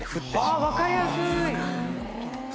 ああわかりやすい。